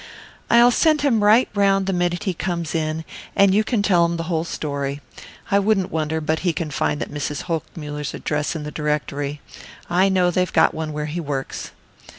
"I'll send him right round the minute he comes in, and you can tell him the whole story. I wouldn't wonder but what he can find that Mrs. Hochmuller's address in the d'rectory. I know they've got one where he works."